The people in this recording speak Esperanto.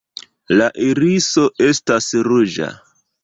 La iriso estas ruĝa.